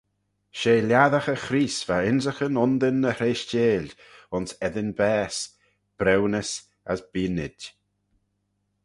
She lhiassaghey Chreest va ynrican undin e hreishteil ayns eddin baase, briwnys, as beaynid.